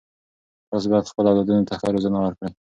تاسې باید خپلو اولادونو ته ښه روزنه ورکړئ.